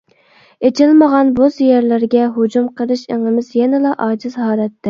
ئېچىلمىغان بوز يەرلەرگە ھۇجۇم قىلىش ئېڭىمىز يەنىلا ئاجىز ھالەتتە.